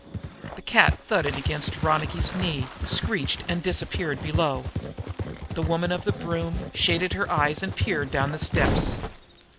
The cat thudded against Ronicky's knee, screeched and disappeared below; the woman of the broom shaded her eyes and peered down the steps.